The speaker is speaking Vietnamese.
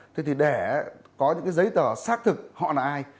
thế thì để có những cái giấy tờ xác thực họ là ai